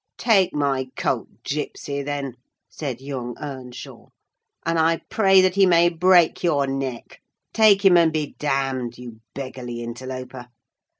"Take my colt, Gipsy, then!" said young Earnshaw. "And I pray that he may break your neck: take him, and be damned, you beggarly interloper!